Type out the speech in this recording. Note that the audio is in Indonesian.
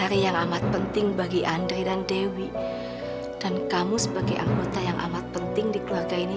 hari yang amat penting bagi andai dan dewi dan kamu sebagai anggota yang amat penting di keluarga ini